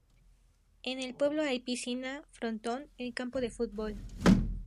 En el pueblo hay piscina, frontón y campo de fútbol.